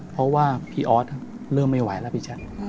เพราะว่าพี่ออสเริ่มไม่ไหวแล้วพี่แจ๊ค